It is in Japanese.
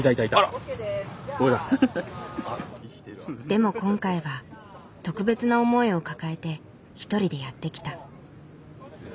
でも今回は特別な思いを抱えて１人でやって来た。